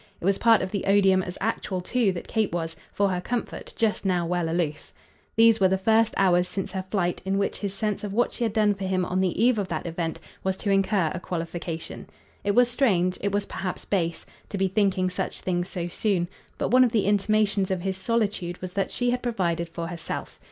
It was part of the odium as actual too that Kate was, for her comfort, just now well aloof. These were the first hours since her flight in which his sense of what she had done for him on the eve of that event was to incur a qualification. It was strange, it was perhaps base, to be thinking such things so soon; but one of the intimations of his solitude was that she had provided for herself.